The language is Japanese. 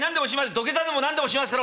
土下座でも何でもしますから。